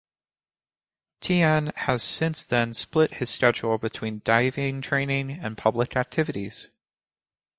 Tian has since then split his schedule between diving training and public activities.